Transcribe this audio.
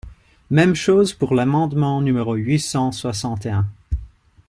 Même chose pour l’amendement numéro huit cent soixante et un.